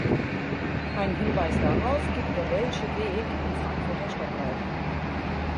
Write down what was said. Einen Hinweis darauf gibt der "Welsche Weg" im Frankfurter Stadtwald.